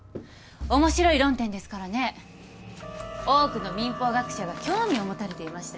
面白い論点ですからね多くの民法学者が興味を持たれていましたよ。